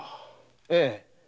ええ。